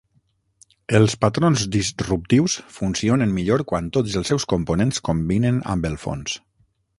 Els patrons disruptius funcionen millor quan tots els seus components combinen amb el fons.